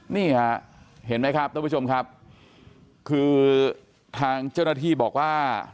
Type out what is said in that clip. นี่ฮะเห็นไหมครับท่านผู้ชมครับคือทางเจ้าหน้าที่บอกว่า